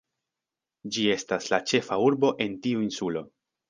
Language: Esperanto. Ĝi estas la ĉefa urbo en tiu insulo.